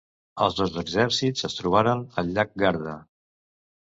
Els dos exèrcits es trobaren al Llac Garda.